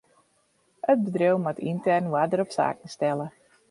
It bedriuw moat yntern oarder op saken stelle.